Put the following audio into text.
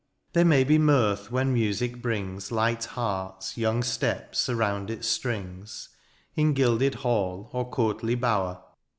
There may be mirth when music brings Light hearts, young steps, around its strings. In gilded hall or courtly bower.